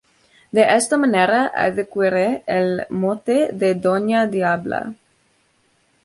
De esta manera adquiere el mote de "Doña Diabla".